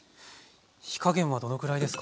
火加減はどのくらいですか？